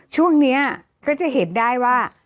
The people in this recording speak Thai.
ช่วงนี้ก็จะเห็นได้ว่า